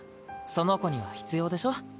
その子には必要でしょ？